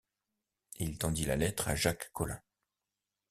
Et il tendit la lettre à Jacques Collin.